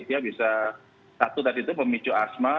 dia bisa satu tadi itu pemicu asma